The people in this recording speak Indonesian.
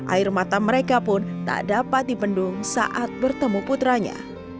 air mata mereka pun tak dapat dipendung saat bertemu putranya